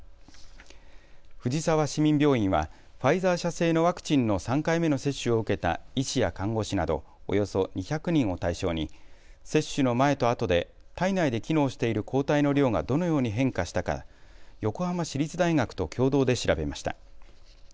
藤沢市民病院はファイザー社製のワクチンの３回目の接種を受けた医師や看護師など、およそ２００人を対象に接種の前と後で体内で機能している抗体の量がどのように変化したか横浜市立大学と共同で調べました。